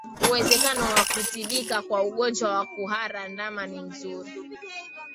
Uwezekano wa kutibika kwa ugonjwa wa kuhara ndama ni mzuri